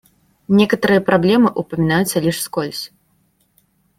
Некоторые проблемы упоминаются лишь вскользь.